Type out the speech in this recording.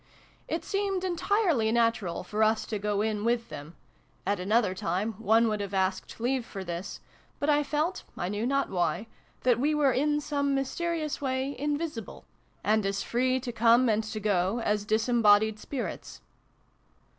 It seemed entirely natural for us to go in with them : at another time one would have asked leave for this, but I felt, I knew not why, that we were in some mysterious way invisible, and as free to come and to go as disembodied spirits.